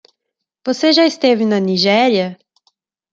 Você já esteve na Nigéria?